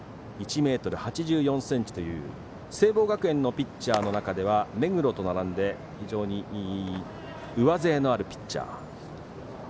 １ｍ８４ｃｍという聖望学園のピッチャーの中では目黒と並んで非常に上背のあるピッチャー。